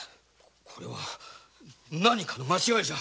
これは何かの間違いだ。